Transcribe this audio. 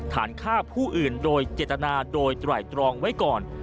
ฐานฆ่าผู้อื่นโดยเจตนาโดยไตรตรองไว้ก่อน